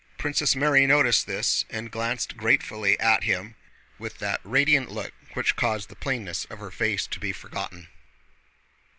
Princess Mary noticed this and glanced gratefully at him with that radiant look which caused the plainness of her face to be forgotten.